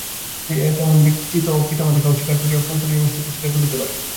তেমন ব্যক্তি তো পিতা-মাতাকে অস্বীকার করিয়াও সন্তানের অস্তিত্ব স্বীকার করিতে পারে।